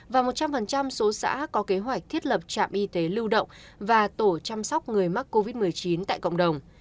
và một trăm linh số xã có kế hoạch thiết lập trạm y tế lưu động và tổ chăm sóc người mắc covid một mươi chín tại cộng đồng